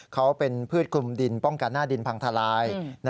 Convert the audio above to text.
เขาเป็นพืชคลุมดินป้องกันหน้าดินพังทลาย